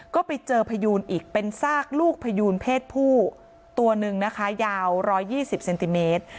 ก็ไปเจอพยูนอีกเป็นซากลูกพยูนเพศผู้ตัวหนึ่งนะคะยาว๑๒๐เซนติเมตร